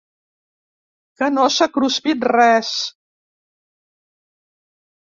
Que no s'ha cruspit res.